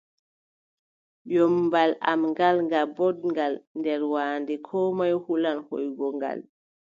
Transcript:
Ƴommbal am ngal, ngal booɗngal nder waande, koo moy hulan hooygo ngal.